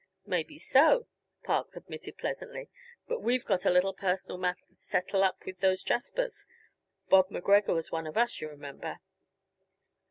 "Maybe so," Park admitted pleasantly, "but we've got a little personal matter to settle up with those jaspers. Bob MacGregor was one of us, yuh remember."